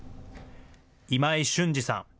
今井俊次さん。